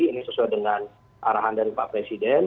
ini sesuai dengan arahan dari pak presiden